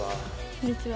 こんにちは。